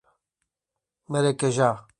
Maracajá